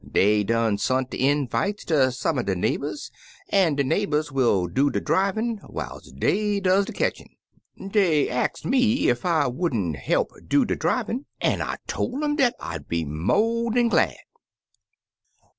Dey done sont der invites ter some er de neighbors, an' de neighbors will do de driving whiles dey does de ketchin'. Dey ax'd me ef I would n't he'p do de drivin' an' I toF um dat I'd be mo' dan glad.'